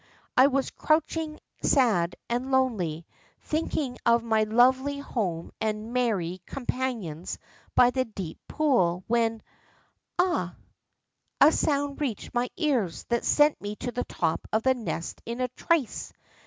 I was crouching sad and lonely, thinking of my lovely home and merry companions by the deep pool, when, aha ! a sound reached my ears that sent me to the top of the nest in a trice.